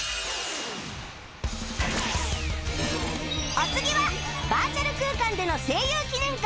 お次はバーチャル空間での声優記念館